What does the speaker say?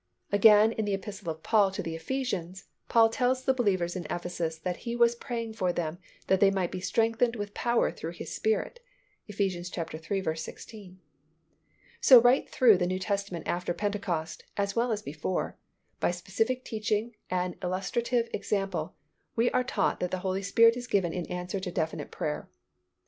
Again in the Epistle of Paul to the Ephesians, Paul tells the believers in Ephesus that he was praying for them that they might be strengthened with power through His Spirit (Eph. iii. 16). So right through the New Testament after Pentecost, as well as before, by specific teaching and illustrative example, we are taught that the Holy Spirit is given in answer to definite prayer.